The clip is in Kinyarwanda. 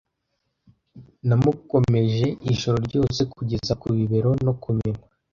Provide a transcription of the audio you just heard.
Namukomeje ijoro ryose kugeza ku bibero no ku minwa.